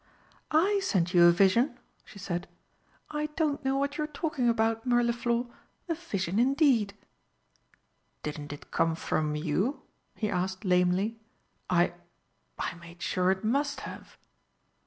"I send you a vision!" she said. "I don't know what you're talking about, Mirliflor. A vision, indeed!" "Didn't it come from you?" he asked lamely. "I I made sure it must have."